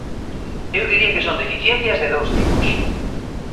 Eu diría que son deficiencias de dous tipos.